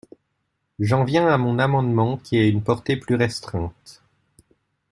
J’en viens à mon amendement, qui a une portée plus restreinte.